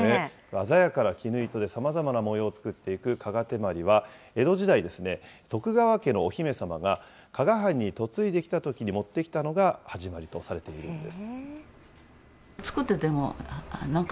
鮮やかな絹糸で、さまざまな模様を作っていく加賀てまりは、江戸時代、徳川家のお姫様が加賀藩に嫁いできたときに持ってきたのが始まりとされているんです。